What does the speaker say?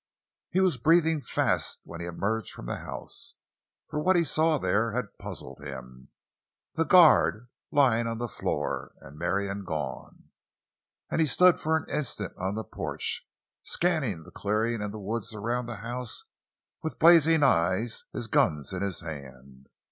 He was breathing fast when he emerged from the house, for what he saw there had puzzled him—the guard lying on the floor and Marion gone—and he stood for an instant on the porch, scanning the clearing and the woods around the house with blazing eyes, his guns in hand.